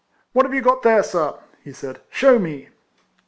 " What have you got there, sir?" he said. " Shew me."